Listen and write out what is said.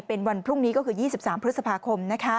เป็นวันพรุ่งนี้ก็คือ๒๓พฤษภาคม